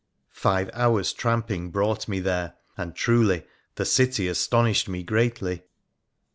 Five hours' tramping brought me there ; and truly the city astonished me greatly.